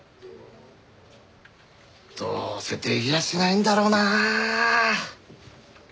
どうせ出来やしないんだろうなあ。